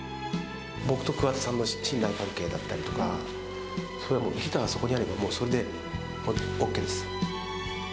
僕と桑田さんの信頼関係だったりとか、それはもう、ギターがそこにあればそれでＯＫです。